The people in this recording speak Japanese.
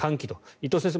伊藤先生